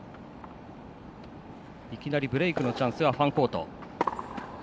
いきなりブレークのチャンスはファンコート。